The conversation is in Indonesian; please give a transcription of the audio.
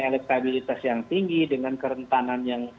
elektabilitas yang tinggi dengan kerentanan yang